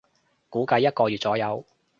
估計一個月左右